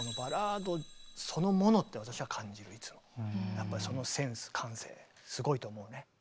やっぱそのセンス感性すごいと思うね。